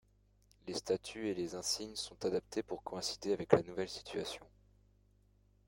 Les statuts et les insignes sont adaptés pour coïncider avec la nouvelle situation.